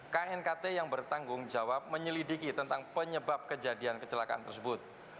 knkt yang bertanggung jawab menyelidiki tentang penyebab kejadian kecelakaan tersebut